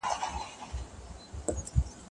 سالم خوراک عادت غواړي.